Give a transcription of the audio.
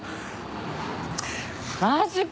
マジか。